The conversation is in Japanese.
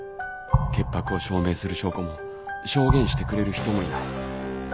潔白を証明する証拠も証言してくれる人もいない。